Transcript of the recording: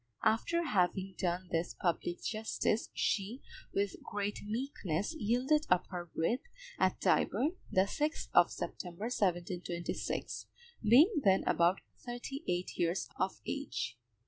After having done this public justice, she, with great meekness, yielded up her breath at Tyburn, the 6th of September, 1726, being then about thirty eight years of age.